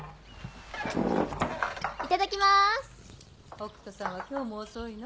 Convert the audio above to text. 北斗さんは今日も遅いの？